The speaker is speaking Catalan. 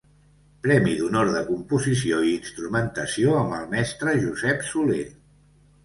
Premi d'Honor de composició i instrumentació amb el mestre Josep Soler.